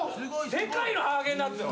世界のハーゲンダッツよ？